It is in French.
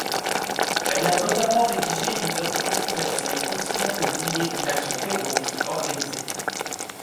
Elle a notamment rédigé une note controversée conseillant de nier une action terroriste organisée.